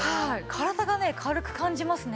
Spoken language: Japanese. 体がね軽く感じますね。